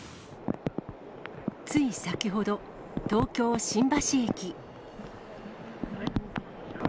つい先ほど、東京・新橋駅。